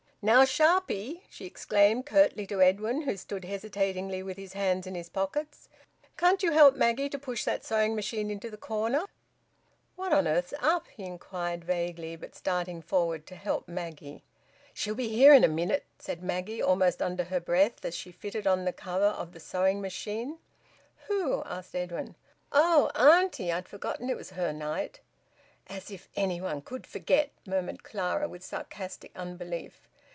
"Now, sharpy!" she exclaimed curtly to Edwin, who stood hesitatingly with his hands in his pockets. "Can't you help Maggie to push that sewing machine into the corner?" "What on earth's up?" he inquired vaguely, but starting forward to help Maggie. "She'll be here in a minute," said Maggie, almost under her breath, as she fitted on the cover of the sewing machine. "Who?" asked Edwin. "Oh! Auntie! I'd forgotten it was her night." "As if anyone could forget!" murmured Clara, with sarcastic unbelief.